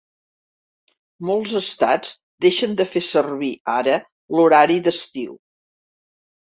Molts estats deixen de fer servir ara l'horari d'estiu.